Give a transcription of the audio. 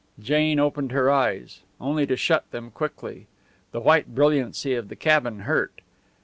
Jane opened her eyes, only to shut them quickly. The white brilliancy of the cabin hurt.